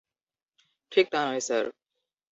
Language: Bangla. ঠিক তা নয়, স্যার।